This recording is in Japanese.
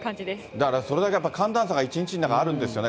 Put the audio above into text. だからそれだけ寒暖差が一日の中にあるんですよね。